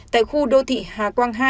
tại khu đô thị hà quang hai